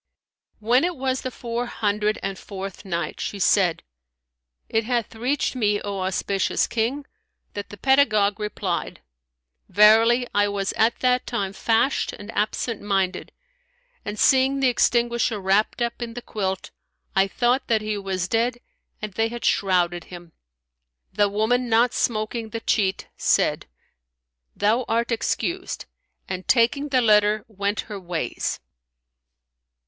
When it was the Four Hundred and Fourth Night, She said, It hath reached me, O auspicious King, that the pedagogue replied, "Verily I was at that time fashed and absent minded and, seeing the extinguisher wrapped up in the quilt, I thought that he was dead and they had shrouded him." The woman, not smoking the cheat, said, "Thou art excused," and taking the letter, went her ways.